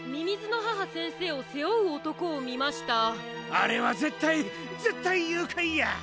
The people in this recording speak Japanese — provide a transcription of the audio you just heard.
あれはぜったいぜったいゆうかいや！